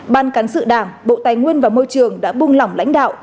ban cán sự đảng bộ tài nguyên và môi trường đã bung lỏng lãnh đạo